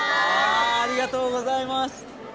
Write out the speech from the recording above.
ありがとうございます。